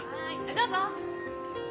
どうぞ。